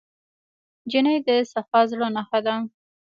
نجلۍ د صفا زړه نښه ده.